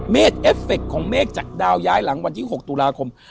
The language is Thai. เอฟเฟคของเมฆจากดาวย้ายหลังวันที่๖ตุลาคม